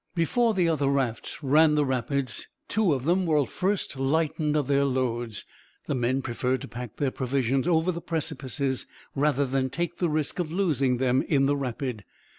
Before the other rafts ran the rapids, two of them were first lightened of their loads. The men preferred to pack their provisions over the precipices rather than take the risk of losing them in the rapid.